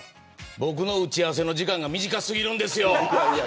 僕の打ち合わせの時間が短過ぎるんですよ。